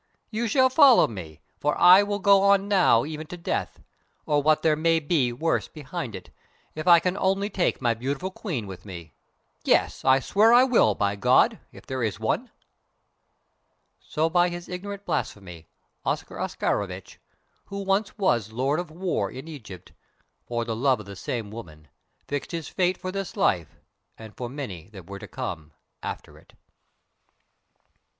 You shall follow me, for I will go on now even to death, or what there may be worse behind it, if I can only take my beautiful Queen with me. Yes, I swear I will, by God if there is one!" So by his ignorant blasphemy Oscar Oscarovitch, who once was Lord of War in Egypt, for the love of the same woman, fixed his fate for this life, and for many that were to come after it.